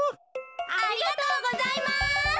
ありがとうございます！